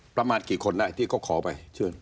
ประมาณกี่คนได้ที่เขาขอไปเชิญ